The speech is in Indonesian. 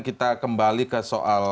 kita kembali ke soal